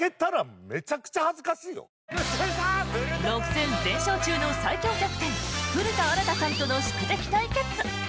６戦全勝中の最強キャプテン古田新太さんとの宿敵対決！